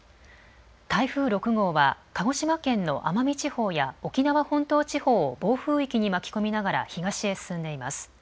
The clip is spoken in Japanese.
台風６号は鹿児島県の奄美地方や沖縄本島地方を暴風域に巻き込みながら東へ進んでいます。